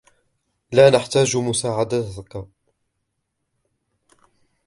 لا نحتاج مساعدتك.